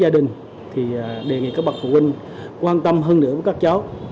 với gia đình thì đề nghị các bà phụ huynh quan tâm hơn nữa với các cháu